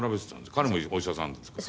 彼もお医者さんですから。